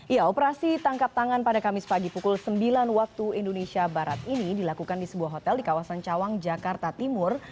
ya operasi tangkap tangan pada kamis pagi pukul sembilan waktu indonesia barat ini dilakukan di sebuah hotel di kawasan cawang jakarta timur